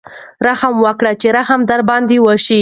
رحم وکړئ چې رحم در باندې وشي.